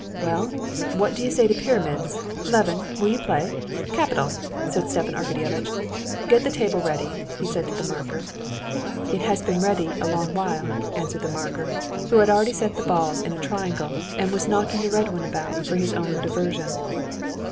"Well, what do you say to pyramids? Levin, will you play? Capital!" said Stepan Arkadyevitch. "Get the table ready," he said to the marker. "It has been ready a long while," answered the marker, who had already set the balls in a triangle, and was knocking the red one about for his own diversion.